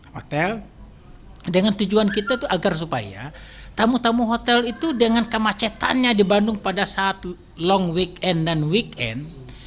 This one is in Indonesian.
hotel dengan tujuan kita itu agar supaya tamu tamu hotel itu dengan kemacetannya di bandung pada saat long weekend dan weekend